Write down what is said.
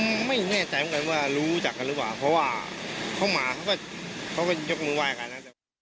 ผมไม่แน่ใจเหมือนกันว่ารู้จักกันหรือเปล่าเพราะว่าเขามาเขาก็เขาก็ยกมือไห้กันนะ